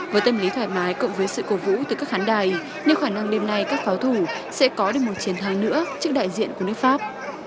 với tâm lý thoải mái cộng với sự cổ vũ từ các khán đài nhưng khả năng đêm nay các pháo thủ sẽ có được một chiến thắng nữa trước đại diện của nước pháp